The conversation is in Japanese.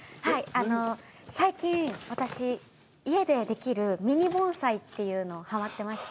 あの最近私家でできるミニ盆栽っていうのハマってまして。